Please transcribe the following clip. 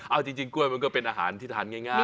เอาจริงกล้วยมันก็เป็นอาหารที่ทานง่าย